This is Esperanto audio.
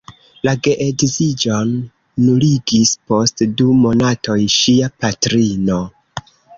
La geedziĝon nuligis post du monatoj ŝia patrino.